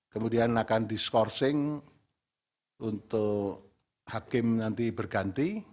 kemudian akan diskorsing untuk hakim nanti berganti